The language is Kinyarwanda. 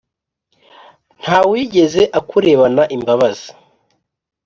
Nta wigeze akurebana imbabazi